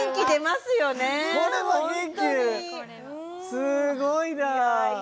すごいな！